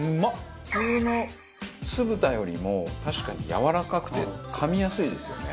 普通の酢豚よりも確かにやわらかくてかみやすいですよね。